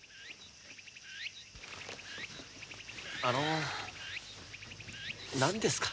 あの何ですか？